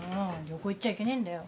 旅行行っちゃいけねえんだよ？